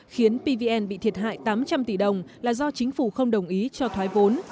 khiến pvn bị thiệt hại tám trăm linh tỷ đồng là do chính phủ không đồng ý cho thoái vốn